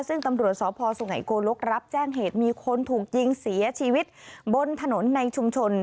ซึ่งตำรวจสพสุไงโกลกรับแจ้งเหตุมีคนถูกยิงเสียชีวิตบนถนนในชุมชน